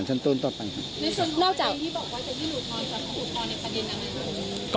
ในส่วนของอุทธรณ์ที่บอกว่าจะยิ่งอุทธรณ์ในประเด็นนั้นไหมครับ